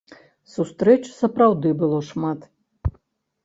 Сустрэч сапраўды было шмат.